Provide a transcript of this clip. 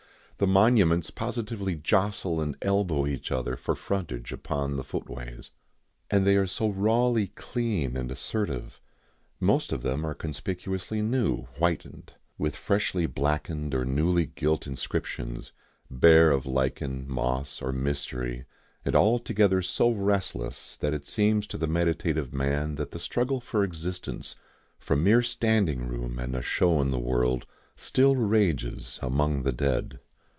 The monuments positively jostle and elbow each other for frontage upon the footways. And they are so rawly clean and assertive. Most of them are conspicuously new whitened, with freshly blackened or newly gilt inscriptions, bare of lichen, moss, or mystery, and altogether so restless that it seems to the meditative man that the struggle for existence, for mere standing room and a show in the world, still rages among the dead.